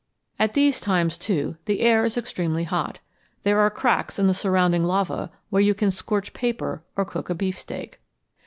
At these times, too, the air is extremely hot. There are cracks in the surrounding lava where you can scorch paper or cook a beefsteak.